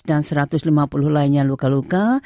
dan satu ratus lima puluh lainnya luka luka